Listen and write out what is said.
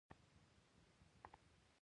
بېساري وړتیاوې هغه په بشپړ ډول واکمنوي.